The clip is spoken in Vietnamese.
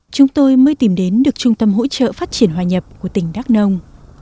chúng tôi mới tìm đến được trung tâm hỗ trợ phát triển hòa nhập của tỉnh đắk nông